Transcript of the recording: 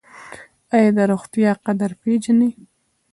ایا د روغتیا قدر پیژنئ؟